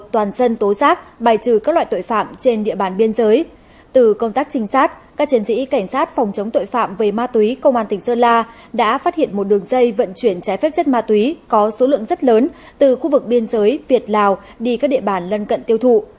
từ công tác trinh sát các chiến sĩ cảnh sát phòng chống tội phạm về ma túy công an tỉnh sơn la đã phát hiện một đường dây vận chuyển trái phép chất ma túy có số lượng rất lớn từ khu vực biên giới việt lào đi các địa bàn lân cận tiêu thụ